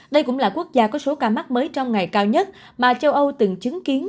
đây cũng là quốc gia có số ca mắc mới trong ngày cao nhất mà châu âu từng chứng kiến